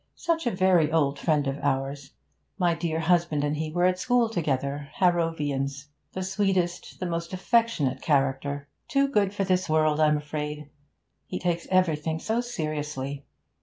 Such a very old friend of ours. My dear husband and he were at school together Harrovians. The sweetest, the most affectionate character! Too good for this world, I'm afraid; he takes everything so seriously.